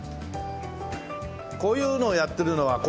こういうのをやってるのはここだけ？